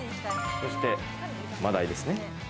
そして真鯛ですね。